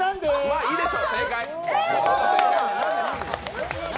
まあいいでしょう、正解。